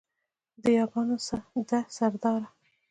د یاګانو ده سرداره